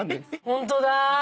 ホントだ！